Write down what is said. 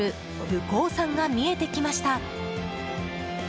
武甲山が見えてきました。